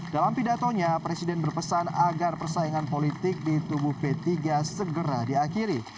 dalam pidatonya presiden berpesan agar persaingan politik di tubuh p tiga segera diakhiri